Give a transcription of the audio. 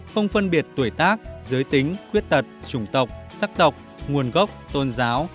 không phân biệt tuổi tác giới tính quyết tật trùng tộc sắc tộc nguồn gốc tôn giáo